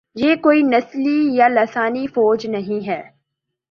یہ کوئی نسلی یا لسانی فوج نہیں ہے۔